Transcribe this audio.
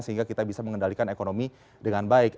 sehingga kita bisa mengendalikan ekonomi dengan baik